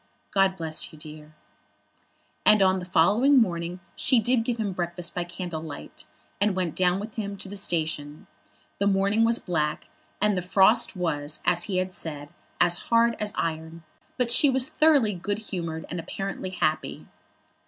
God bless you, dear." And on the following morning she did give him his breakfast by candle light, and went down with him to the station. The morning was black, and the frost was, as he had said, as hard as iron, but she was thoroughly good humoured, and apparently happy.